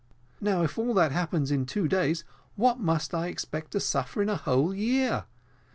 Now, if all that happens in two days, what must I expect to suffer in a whole year?